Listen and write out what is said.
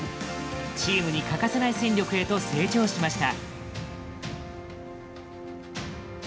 チームに欠かせない戦力へと成長しました。